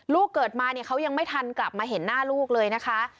ลูกเกิดมาเนี่ยเขายังไม่ทันกลับมาเห็นหน้าลูกเลยนะคะ